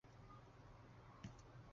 卡舍尔教省就是以该镇命名。